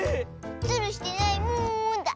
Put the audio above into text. ズルしてないもんだ。